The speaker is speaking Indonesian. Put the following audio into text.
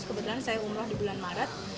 kebetulan saya umroh di bulan maret